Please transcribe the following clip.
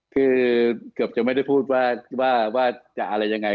คือเกือบจะไม่ได้พูดว่าจะอะไรยังไง